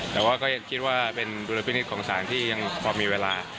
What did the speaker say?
แต่ก็ยังคิดว่าเป็นธุรกิจของสารที่ยังความมีเวลา